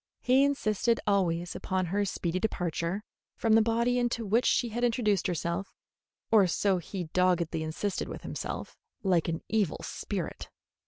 He insisted always upon her speedy departure from the body into which she had intruded herself or so he doggedly insisted with himself like an evil spirit.